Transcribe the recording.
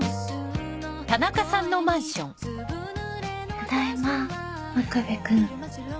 ただいま真壁くん。